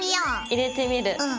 入れてみる。